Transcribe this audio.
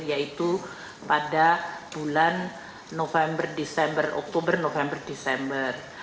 yaitu pada bulan oktober november desember